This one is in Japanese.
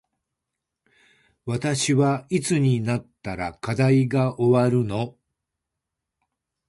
私はいつになったら課題が終わるの